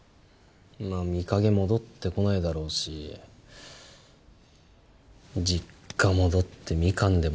まあ美影戻ってこないだろうし実家戻ってみかんでも。